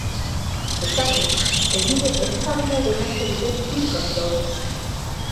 Bestalde, egile ezezaguna edo nahasia duten hiru kasu daude.